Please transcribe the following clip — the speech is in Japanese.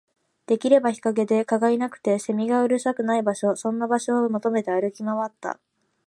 できれば日陰で、蚊がいなくて、蝉がうるさくない場所、そんな場所を求めて歩き回った